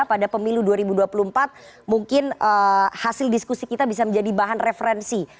pada pemilu dua ribu dua puluh empat mungkin hasil diskusi kita bisa menjadi bahan referensi